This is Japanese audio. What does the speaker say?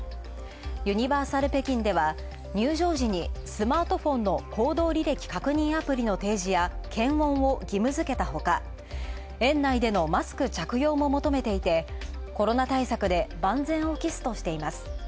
ユニバーサル北京では入場時にスマートフォンの行動履歴確認アプリの提示や、検温を義務付けたほか、園内でのマスク着用も求めていて、コロナ対策で万全を期すとしています。